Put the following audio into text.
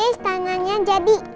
yes tangannya jadi